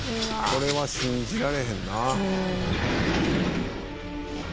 「これは信じられへんな」